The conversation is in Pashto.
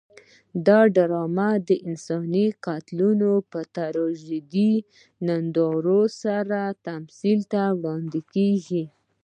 دا ډرامه د انساني قتلونو په تراژیدي نندارو سره تمثیل ته وړاندې کېږي.